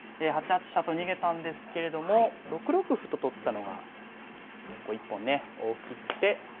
８八飛車と逃げたんですけれども６六歩と取ったのが結構一本ね大きくて。